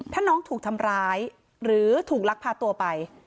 ถ้าน้องถูกทำร้ายหรือถูกลักพาตัวไป